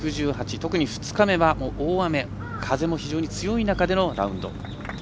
特に２日目は大雨、風も非常に強い中でのラウンド。